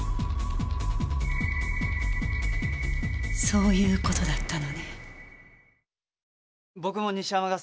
そういう事だったのね。